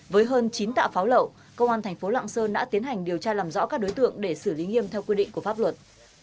với hơn chín tạ pháo lậu công an thành phố lạng sơn đã tiến hành điều tra làm rõ các đối tượng để xử lý nghiêm theo quy định của pháp luật